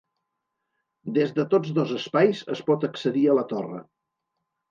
Des de tots dos espais es pot accedir a la torre.